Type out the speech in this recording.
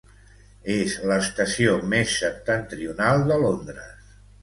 És l'estació més septentrional de Londres.